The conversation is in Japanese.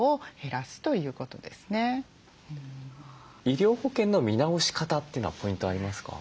医療保険の見直し方というのはポイントありますか？